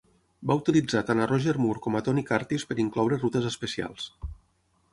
Va utilitzar tant a Roger Moore com a Tony Curtis per incloure rutes especials.